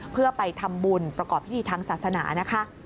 เพื่อไปทำบุญประกอบพิธีทางศาสนานะคะ